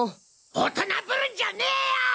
大人ぶるんじゃねぇよ！